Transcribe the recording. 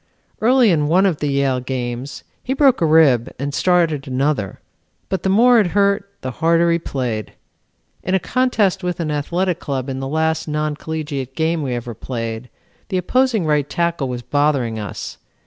Early in one of the Yale games he broke a rib and started another, but the more it hurt, the harder he played. In a contest with an athletic club in the last non collegiate game we ever played, the opposing right tackle was bothering us.